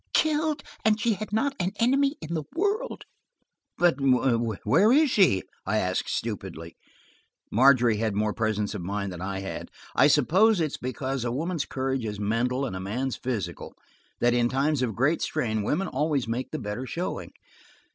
"Killed, and she had not an enemy in the world !" "But where is she?" I asked stupidly. Margery had more presence of mind than I had; I suppose it is because woman's courage is mental and man's physical, that in times of great strain women always make the better showing.